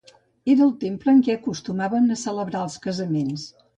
Era el temple en què s'acostumaven a celebrar els casaments.